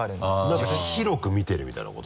なんか広く見てるみたいなこと？